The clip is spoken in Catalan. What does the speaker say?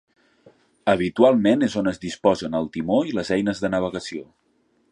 Habitualment és on es disposen el timó i les eines de navegació.